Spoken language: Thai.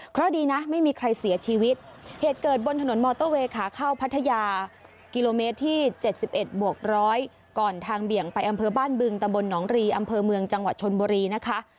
เพราะดีนะไม่มีใครเสียชีวิตเหตุเกิดบนถนนมอเตอร์เวย์ขาเข้าพัทยากิโลเมตรที่๗๑บวกร้อยก่อนทางเบี่ยงไปอำเภอบ้านบึงตะบลหนองรีอำเภอเมืองจังหวัดชนบุรีนะคะ